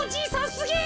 すげえ！